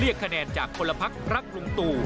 เรียกคะแนนจากคนละภักดิ์รักรุงตู